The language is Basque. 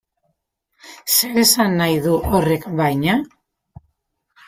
Zer esan nahi du horrek baina?